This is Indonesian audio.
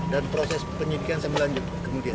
dan proses penyikian saya melanjutkan kemudian